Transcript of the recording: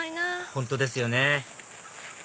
本当ですよね